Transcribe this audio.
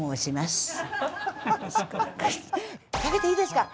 かけていいですか？